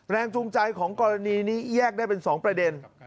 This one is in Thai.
แรงจูงใจของกรณีนี้แยกได้เป็น๒ประเด็น